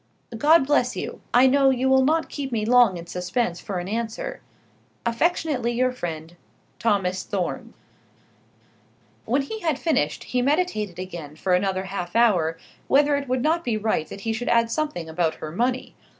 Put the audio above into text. God bless you. I know you will not keep me long in suspense for an answer. Affectionately your friend, THOMAS THORNE. When he had finished he meditated again for another half hour whether it would not be right that he should add something about her money.